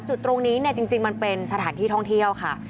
จุดตรงนี้เนี่ยจริงมันเป็นสถานที่ท่องเที่ยวค่ะ